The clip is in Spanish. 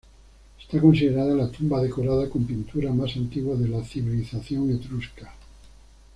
Está considerada la tumba decorada con pinturas más antigua de la civilización etrusca.